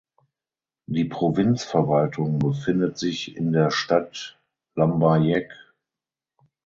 Die Provinzverwaltung befindet sich in der Stadt Lambayeque.